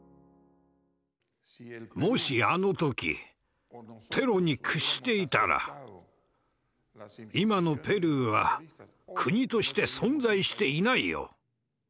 もしあの時テロに屈していたら今のペルーは国として存在していないよ。